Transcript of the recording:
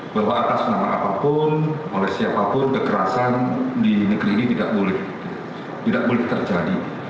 bahwa atas nama apapun oleh siapapun kekerasan di negeri ini tidak boleh terjadi